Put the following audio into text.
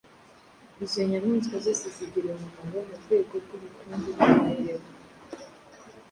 Izo nyamaswa zose zigira umumaro mu rwego rw’ubukungu n’imibereho